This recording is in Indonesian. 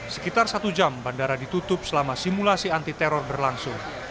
sekitar satu jam bandara ditutup selama simulasi anti teror berlangsung